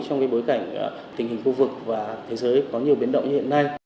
trong bối cảnh tình hình khu vực và thế giới có nhiều biến động như hiện nay